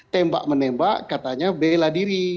tembak menembak katanya bela diri